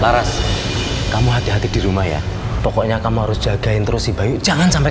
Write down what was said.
laras kamu hati hati di rumah ya pokoknya kamu harus jagain terus si bayu jangan sampai